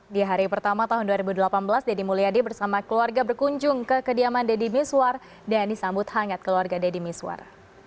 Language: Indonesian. di hari pertama tahun dua ribu delapan belas deddy mulyadi bersama keluarga berkunjung ke kediaman deddy miswar dan disambut hangat keluarga deddy miswar